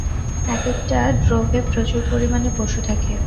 একেকটা ড্রোভে প্রচুর পরিমানে পশু থাকে।